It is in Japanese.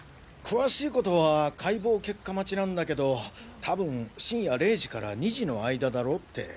詳しいことは解剖結果待ちなんだけどたぶん深夜０時から２時の間だろうって。